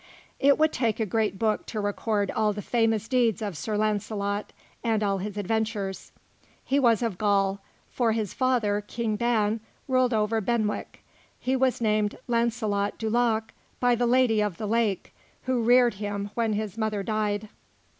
It would take a great book to record all the famous deeds of Sir Launcelot, and all his adventures. He was of Gaul, for his father, King Ban, ruled over Benwick; he was named Launcelot du Lac by the Lady of the Lake who reared him when his mother died.